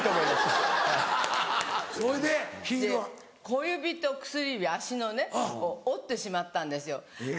小指と薬指足のね折ってしまったんですよ。